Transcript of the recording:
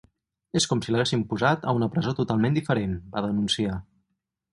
És com si l’haguessin posat a una presó totalment diferent, va denunciar.